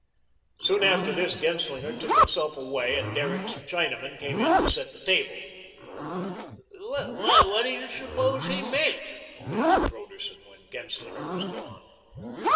Soon after this Genslinger took himself away, and Derrick's Chinaman came in to set the table. "What do you suppose he meant?" asked Broderson, when Genslinger was gone.